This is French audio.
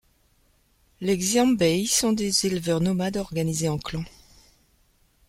Les Xianbei sont des éleveurs nomades organisés en clans.